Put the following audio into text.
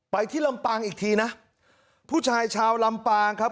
ที่ลำปางอีกทีนะผู้ชายชาวลำปางครับ